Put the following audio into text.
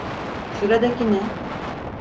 Şuradaki ne?